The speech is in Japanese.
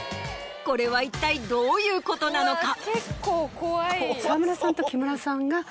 これは一体どういうことなのか。